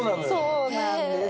そうなんですよ。